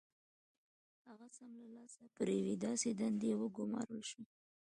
هغه سم له لاسه پر یوې داسې دندې وګومارل شو